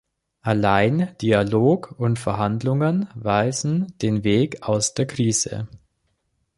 Allein Dialog und Verhandlungen weisen den Weg aus der Krise.